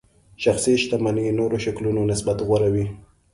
شخصي شتمنۍ نورو شکلونو نسبت غوره وي.